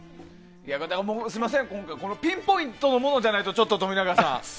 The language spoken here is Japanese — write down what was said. すみません、今回はピンポイントのものじゃないとちょっと、冨永さん